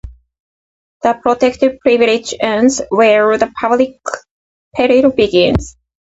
The protective privilege ends where the public peril begins.